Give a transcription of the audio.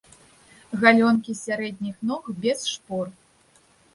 Галёнкі сярэдніх ног без шпор.